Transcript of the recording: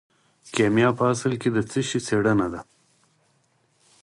کیمیا په اصل کې د څه شي څیړنه ده.